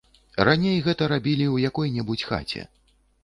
Раней гэта рабілі ў якой-небудзь хаце.